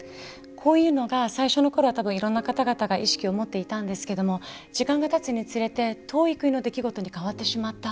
こういうのが最初の頃は多分いろんな方々が意識を持っていたんですけども時間がたつにつれて遠い国の出来事に変わってしまった。